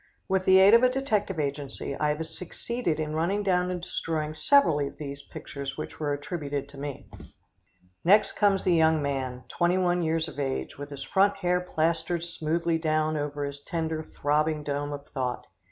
With the aid of a detective agency, I have succeeded in running down and destroying several of these pictures which were attributed to me. Next comes the young man, 21 years of age, with his front hair plastered smoothly down over his tender, throbbing dome of thought.